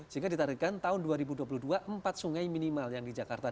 sehingga ditargetkan tahun dua ribu dua puluh dua empat sungai minimal yang di jakarta